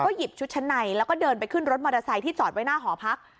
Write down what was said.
หยิบชุดชั้นในแล้วก็เดินไปขึ้นรถมอเตอร์ไซค์ที่จอดไว้หน้าหอพัก